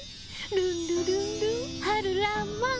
ルンルルンルン春らんまん。